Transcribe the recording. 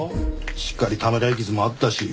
しっかりためらい傷もあったし。